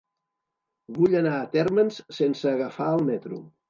Vull anar a Térmens sense agafar el metro.